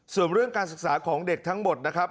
ส่วนเรื่องการศึกษาของเด็กทั้งหมดนะครับ